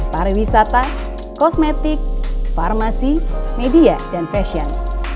pariwisata kosmetik farmasi media dan fashion